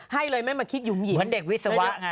ให้เลยไม่มาคิดหยุ่มหยิมเหมือนเด็กวิศวะไง